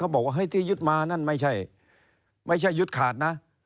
บอกว่าเฮ้ยที่ยึดมานั่นไม่ใช่ยึดขาดนะ